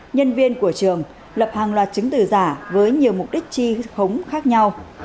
nhân viên của trường lập hàng loạt chứng từ giả với nhiều mục đích chi khống khác nhau